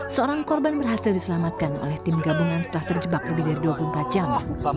seorang korban berhasil diselamatkan oleh tim gabungan setelah terjebak lebih dari dua puluh empat jam